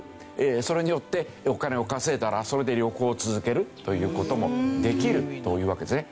それによってお金を稼いだらそれで旅行を続けるという事もできるというわけですね。